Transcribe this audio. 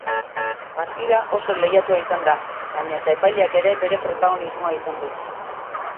Partida oso lehiatua izan da baina eta epaileak ere bere protagonismoa izan du.